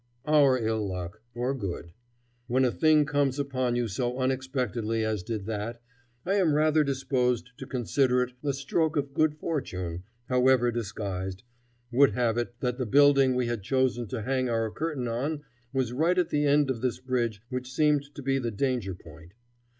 Our ill luck or good; when a thing comes upon you so unexpectedly as did that, I am rather disposed to consider it a stroke of good fortune, however disguised would have it that the building we had chosen to hang our curtain on was right at the end of this bridge which seemed to be the danger point.